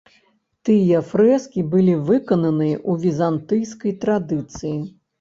Тыя фрэскі былі выкананыя ў візантыйскай традыцыі.